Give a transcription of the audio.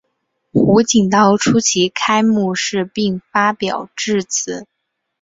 胡锦涛出席开幕式并发表致辞。